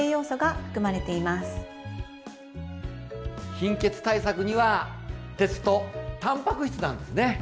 貧血対策には鉄とたんぱく質なんですね。